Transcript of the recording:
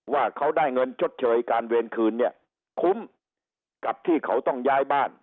ว่าเขาได้เงินชดเชยการเวรคืนเนี่ยคุ้มกับที่เขาต้องย้ายบ้าน